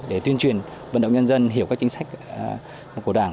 để tuyên truyền vận động nhân dân hiểu các chính sách của đảng